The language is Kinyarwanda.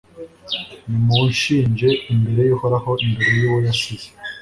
nimunshinje imbere y'uhoraho n'imbere y'uwo yasize